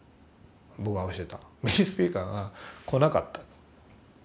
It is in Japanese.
僕が教えたメインスピーカーが来なかった。